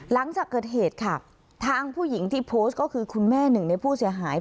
หลังจากเกิดเหตุค่ะทางผู้หญิงที่โพสต์ก็คือคุณแม่หนึ่งในผู้เสียหาย